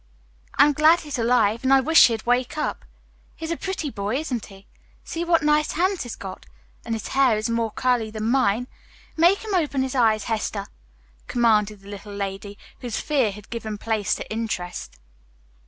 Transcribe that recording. "I'm glad he's alive, and I wish he'd wake up. He's a pretty boy, isn't he? See what nice hands he's got, and his hair is more curly than mine. Make him open his eyes, Hester," commanded the little lady, whose fear had given place to interest.